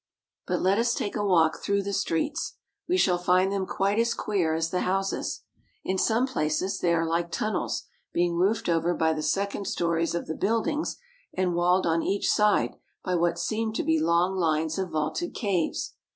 But let us take a walk through the streets. We shall find them quite as queer as the houses. In some places they are hke tunnels, being roofed over by the second stories of the buildings and walled on each side by what seem to be long lines of vaulted caves.